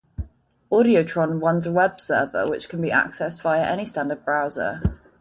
AudioTron runs a web server which can be accessed via any standard browser.